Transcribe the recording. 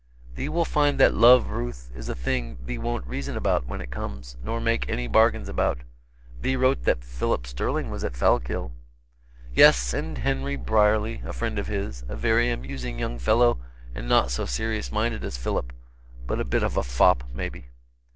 "Thee will find that love, Ruth, is a thing thee won't reason about, when it comes, nor make any bargains about. Thee wrote that Philip Sterling was at Fallkill." "Yes, and Henry Brierly, a friend of his; a very amusing young fellow and not so serious minded as Philip, but a bit of a fop maybe."